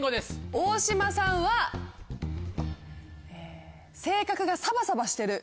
大島さんは性格がサバサバしてる。